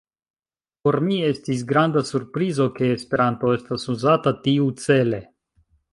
Por mi estis granda surprizo, ke Esperanto estas uzata ankaŭ tiucele.